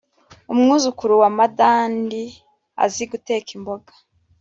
umwuzukuru wa madandi azi guteka imboga